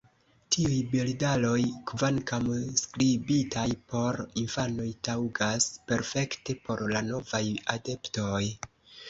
Tiuj bildaroj, kvankam skribitaj por infanoj, taŭgas perfekte por la novaj adeptoj.